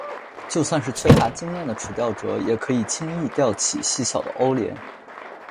就算是缺乏经验的垂钓者也可以轻易钓起细小的欧鲢。